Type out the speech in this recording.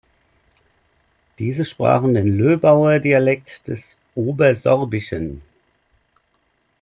Diese sprachen den Löbauer Dialekt des Obersorbischen.